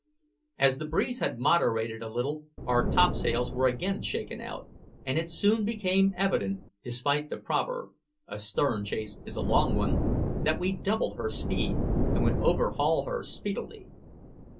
As the breeze had moderated a little, our topsails were again shaken out; and it soon became evident despite the proverb, "A stern chase is a long one" that we doubled her speed, and would overhaul her speedily.